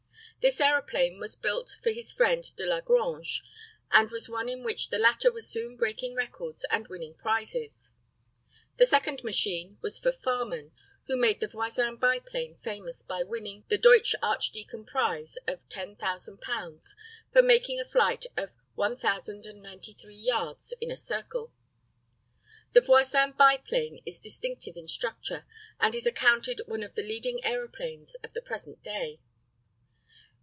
This aeroplane was built for his friend Delagrange, and was one in which the latter was soon breaking records and winning prizes. The second machine was for Farman, who made the Voisin biplane famous by winning the Deutsch Archdeacon prize of $10,000 for making a flight of 1,093 yards in a circle. The Voisin biplane is distinctive in structure, and is accounted one of the leading aeroplanes of the present day.